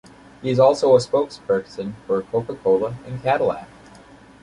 He is also a spokesperson for Coca-Cola and Cadillac.